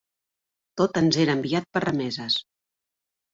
Tot ens era enviat per remeses